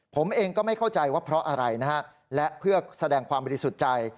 ผมเองก็ไม่เข้าใจว่าเพราะอะไรนะฮะและเพื่อแสดงความบริสุทธิ์ใจ